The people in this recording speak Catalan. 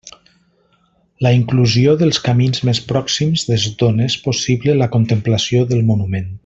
La inclusió dels camins més pròxims des d'on és possible la contemplació del monument.